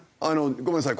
ごめんなさい